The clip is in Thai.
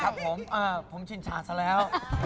ครับผมผมชินฉาดซะแล้ว